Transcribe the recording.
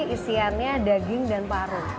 isiannya daging dan paru